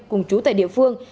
cùng chú tại địa phương